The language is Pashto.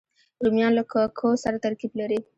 رومیان له کوکو سره ترکیب لري